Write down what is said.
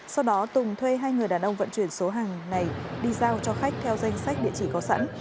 sau đó tùng thuê hai người đàn ông vận chuyển số hàng này đi giao cho khách theo danh sách địa chỉ có sẵn